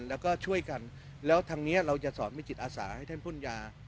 แล้วก็ช่วยกันแล้วทางนี้เราจะสอนวิจิตอาสาให้ท่านพ่นยา